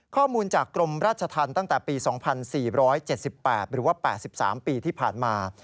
ข้อมูลจากกรมราชธรรมตั้งแต่ปี๒๔๗๘หรือว่า๘๓ปีที่ผ่านมา